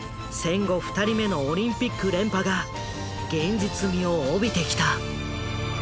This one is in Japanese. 戦後２人目のオリンピック連覇が現実味を帯びてきた。